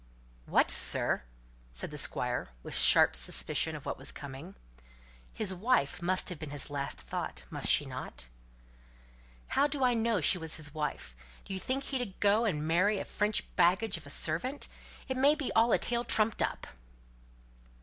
"What, sir?" said the Squire, with sharp suspicion of what was coming. "His wife must have been his last thought, must she not?" "How do I know she was his wife? Do you think he'd go and marry a French baggage of a servant? It may be all a tale trumped up."